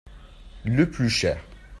Le plus cher.